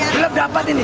belum dapat ini